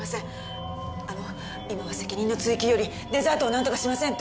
あの今は責任の追及よりデザートをなんとかしませんと。